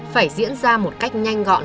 phải diễn ra một cách nhanh gọn